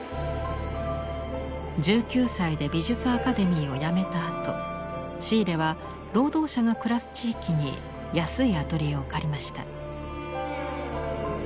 １９歳で美術アカデミーをやめたあとシーレは労働者が暮らす地域に安いアトリエを借りました。